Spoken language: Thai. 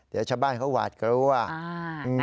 เดี๋ยวชะบ้านเขาหวัดก็รู้ว่า